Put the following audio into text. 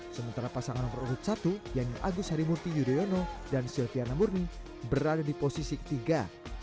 sementara pasangan nomor urut satu yanni agus harimurti yudhoyono dan silviana murni berada di posisi ketiga